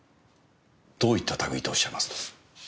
どういった類とおっしゃいますと？